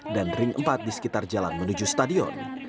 dan ring empat di sekitar jalan menuju stadion